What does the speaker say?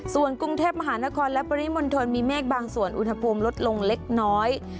ส่วนกรุงเทพมหานครและปริมณฑลมีเมฆบางส่วนอุณหภูมิลดลงเล็กน้อย